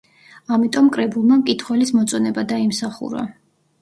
ამიტომ კრებულმა მკითხველის მოწონება დაიმსახურა.